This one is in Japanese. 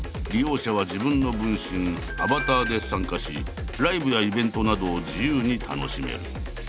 利用者は自分の分身「アバター」で参加しライブやイベントなどを自由に楽しめる。